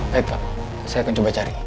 baik pak saya akan coba cari